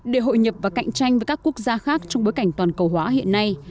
để hội nhập và cạnh tranh với các quốc gia khác trong bối cảnh toàn cầu hóa hiện nay